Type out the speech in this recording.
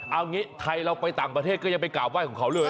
เอางี้ไทยเราไปต่างประเทศก็ยังไปกราบไห้ของเขาเลย